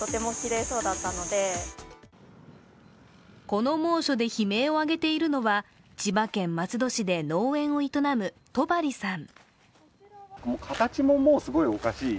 この猛暑で悲鳴を上げているのは千葉県松戸市で農園を営む戸張さん。